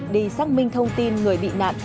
đi xác minh thông tin người bị nạn